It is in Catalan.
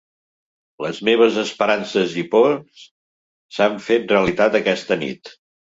Les meves esperances i pors s'han fet realitat aquesta nit.